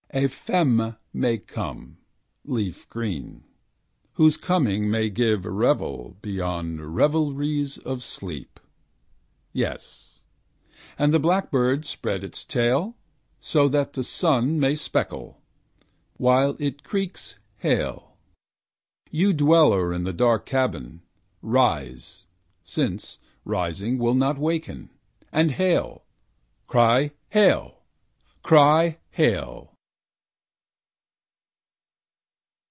A feme may come, leaf green. Whose coining may give revel Beyond revelries of sleep. Yes, and the blackbird spread its tail. So that the sun may speckle. While it creaks hail. 33 You dweller in the dark cabin. Rise, since rising will not waken. And hail, cry hail, cry hail.